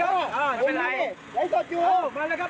แล้วเดี๋ยวเล่าความคลิปกันก่อน